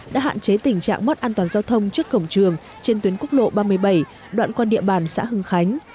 đã hạn chế tình trạng mất an toàn giao thông trước cổng trường trên tuyến quốc lộ ba mươi bảy đoạn qua địa bàn xã hưng khánh